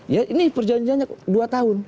ya ini perjanjiannya dua tahun